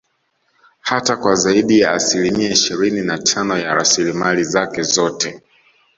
Hata kwa zaidi ya asilimia ishirini na Tano ya rasilimali zake zote